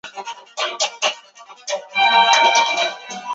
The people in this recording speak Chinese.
我们只有钱。